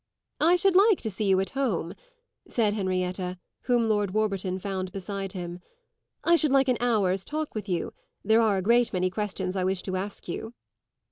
"I should like to see you at home," said Henrietta, whom Lord Warburton found beside him. "I should like an hour's talk with you; there are a great many questions I wish to ask you."